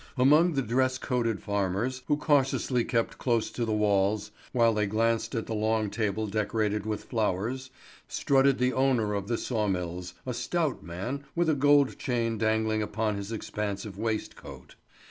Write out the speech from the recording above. Among the dress coated farmers, who cautiously kept close to the walls, while they glanced at the long table decorated with flowers, strutted the owner of the saw mills, a stout man, with a gold chain dangling upon his expansive waistcoat.